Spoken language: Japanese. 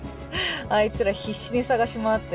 あいつら必死に捜し回ってる。